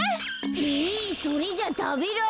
えそれじゃたべられ。